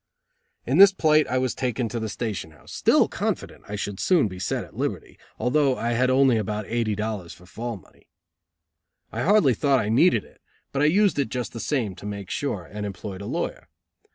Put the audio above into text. In this plight I was taken to the station house, still confident I should soon be set at liberty, although I had only about eighty dollars for fall money. I hardly thought I needed it, but I used it just the same, to make sure, and employed a lawyer.